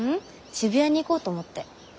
渋谷に行こうと思って。